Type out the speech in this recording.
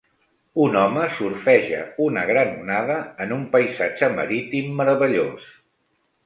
Un home surfeja una gran onada en un paisatge marítim meravellós.